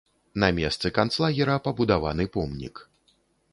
На месцы канцлагера пабудаваны помнік.